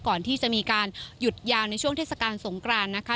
ก่อนที่จะมีการหยุดยาวในช่วงเทศกาลสงกรานนะคะ